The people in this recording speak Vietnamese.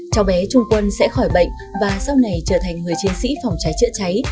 cháu bé trung quân sẽ khỏi bệnh và sau này trở thành người chiến sĩ phòng cháy chữa cháy